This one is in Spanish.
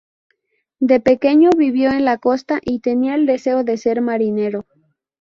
De pequeño vivió en la costa y tenía el deseo de ser marinero.